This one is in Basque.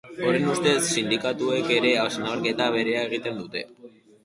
Horren ustez, sindikatuek ere hausnarketa bera egiten dute.